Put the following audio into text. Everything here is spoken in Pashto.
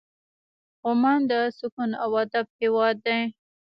عمان د سکون او ادب هېواد دی.